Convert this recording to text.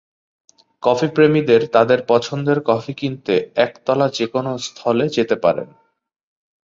Coffee প্রেমীদের তাদের পছন্দের কফি কিনতে একতলা যেকোনো স্থলে যেতে পারেন।